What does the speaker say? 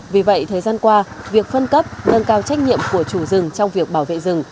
vì vậy thời gian qua việc phân cấp nâng cao trách nhiệm của chủ rừng trong việc bảo vệ rừng